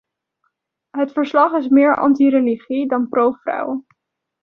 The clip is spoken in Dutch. Het verslag is meer anti-religie dan pro-vrouw.